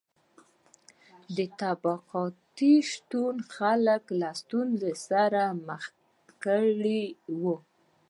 د طبقاتو شتون خلک له ستونزو سره مخ کړي وو.